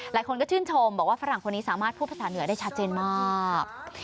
หลายคนก็ชื่นชมบอกว่าฝรั่งคนนี้สามารถพูดภาษาเหนือได้ชัดเจนมาก